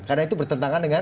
karena itu bertentangan dengan